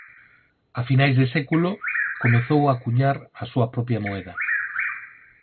A finais de século comezou a cuñar a súa propia moeda.